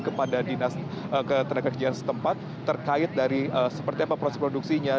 kepada dinas ketenagakerjaan setempat terkait dari seperti apa proses produksinya